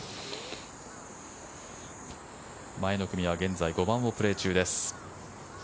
前の組は現在５番をプレー中です。